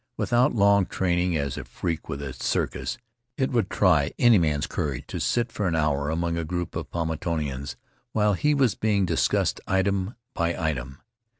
Without long training as a freak with a circus, it would try any man's courage to sit for an hour among a group of Paumotuans while he was being discussed item by item.